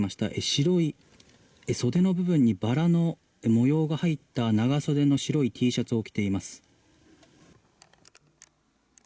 白い、袖の部分にバラの模様が入った長袖の白いＴシャツを着ています。